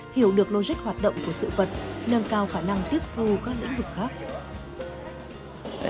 hiểu được logic hoạt động của sự vật nâng cao khả năng tiếp thu các lĩnh vực khác